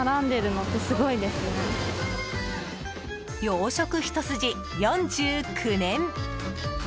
洋食ひと筋４９年。